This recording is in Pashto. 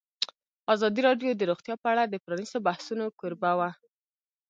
ازادي راډیو د روغتیا په اړه د پرانیستو بحثونو کوربه وه.